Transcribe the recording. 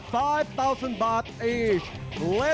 ปิดฉากไวด์ครับ